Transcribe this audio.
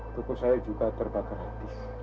koko saya juga terbakar api